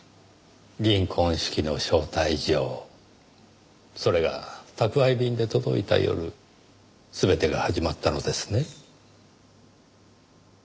銀婚式の招待状それが宅配便で届いた夜全てが始まったのですね？